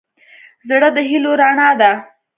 زړه د هيلو رڼا ده.